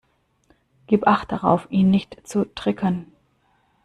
Gib Acht darauf, ihn nicht zu triggern.